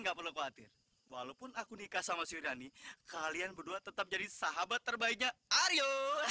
nggak perlu khawatir walaupun aku nikah sama sudani kalian berdua tetap jadi sahabat terbaiknya aryo